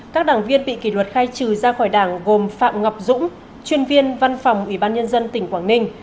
các đảng viên bị kỷ luật khai trừ ra khỏi đảng gồm phạm ngọc dũng chuyên viên văn phòng ủy ban nhân dân tỉnh quảng ninh